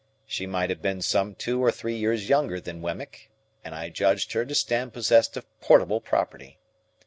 She might have been some two or three years younger than Wemmick, and I judged her to stand possessed of portable property.